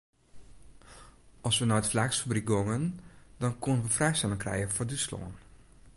As we nei it flaaksfabryk gongen dan koenen we frijstelling krije foar Dútslân.